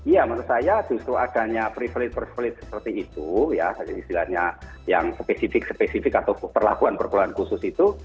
ya menurut saya justru adanya privilege privilege seperti itu ya istilahnya yang spesifik spesifik atau perlakuan perkeluaran khusus itu